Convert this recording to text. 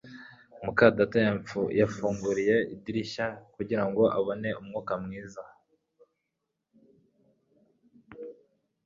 muka data yafunguye idirishya kugirango abone umwuka mwiza